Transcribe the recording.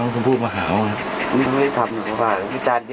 ทารอกกัน